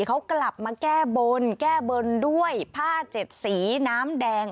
เขากลับมาแก้บนแก้บนด้วยผ้าเจ็ดสีน้ำแดง